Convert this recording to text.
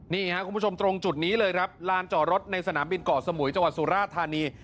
นี่ครับคุณผู้ชมตรงจุดนี้เลยครับลานจอดรถในสนามบินเกาะสมุยจังหวัดสุราธานี